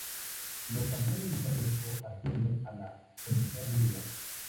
Los campeones de cada grupo ascienden a la Premijer Liga.